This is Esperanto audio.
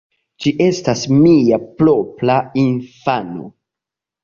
Ĝi estas mia propra infano.